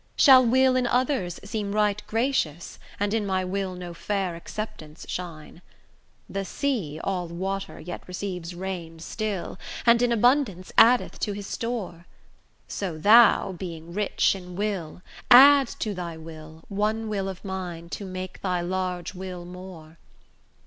Shall will in others seem right gracious, And in my will no fair acceptance shine? The sea, all water, yet receives rain still, And in abundance addeth to his store; So thou, being rich in 'Will,' add to thy 'Will' One will of mine, to make thy large will more.